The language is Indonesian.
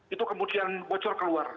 itu kemudian bocor keluar